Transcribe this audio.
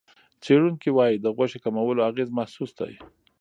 څېړونکي وايي، د غوښې کمولو اغېز محسوس دی.